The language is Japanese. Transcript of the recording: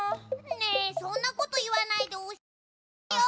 ねえそんなこといわないでおしえてよ！